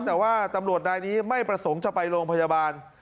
แต่ว่าตำรวจนายนี้ไม่ประสงค์จะไปโรงพยาบาล